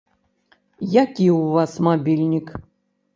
Які ў вас мабільнік?